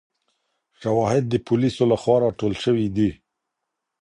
شواهد د پولیسو لخوا راټول سوي دي.